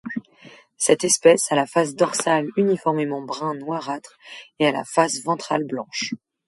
Cette espèce a la face dorsale uniformément brun noirâtre et la face ventrale blanche.